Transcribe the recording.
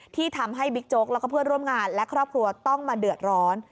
ที่ทำให้บิ๊กโจ๊กแล้วก็เพื่อนร่วมงานและครอบครัวต้องมาเดือดร้อน